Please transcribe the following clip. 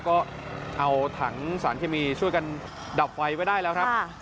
ก็เอาถังสารเคมีช่วยกันดับไฟไว้ได้แล้วครับ